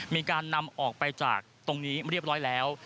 มีการนำออกไปจากตรงนี้เรียบร้อยแล้ว